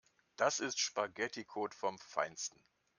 Das ist Spaghetticode vom Feinsten.